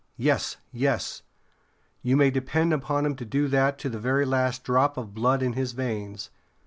Yes, yes! you may depend upon him to do that to the very last drop of blood in his veins."